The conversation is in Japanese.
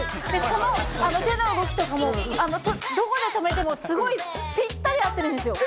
この手の動きとかも、どこで止めてもすごい、ぴったり合ってるんですよ。